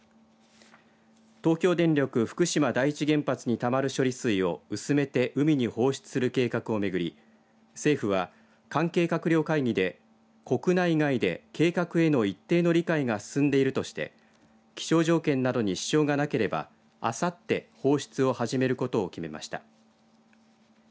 東京電力福島第一原発にたまる処理水を薄めて海に放出する計画をめぐり政府は関係閣僚会議で国内外で計画への一定の理解が進んでいるとして気象条件などに支障がなければあさって放出を始めることを決めました。